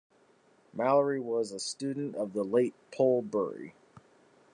Mallory was a student of the late Pol Bury.